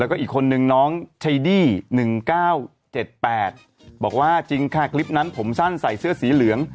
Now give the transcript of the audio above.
แล้วก็อีกคนนึงน้องเทดี้หนึ่งเก้าเจ็ดแปดบอกว่าจริงค่ะคลิปนั้นผมสั้นใส่เสื้อสีเหลือง